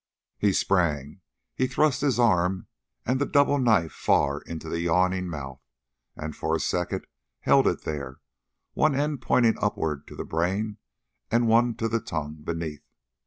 He sprang, he thrust his arm and the double knife far into the yawning mouth, and for a second held it there, one end pointing upwards to the brain and one to the tongue beneath.